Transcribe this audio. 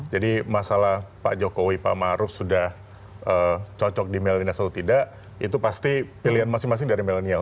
jadi masalah pak jokowi pak ma'ruf sudah cocok di milenial atau tidak itu pasti pilihan masing masing dari milenial